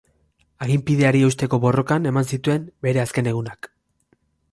Aginpideari eusteko borrokan eman zituen bere azken egunak.